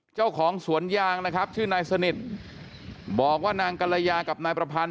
เจ้าของสวนยางนะครับชื่อนายสนิทบอกว่านางกัลยากับนายประพันธ